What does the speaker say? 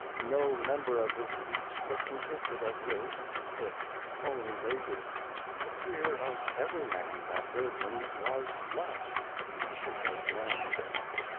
No member of his speech but consisted of his (its) own graces.... The fear of every man that heard him was lest he should make an end.